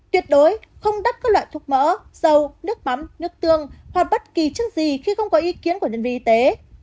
tuyệt đối không đắp các loại thuốc mỡ dâu nước mắm nước tương hoặc bất kỳ chất gì khi không có ý kiến của nhân viên y tế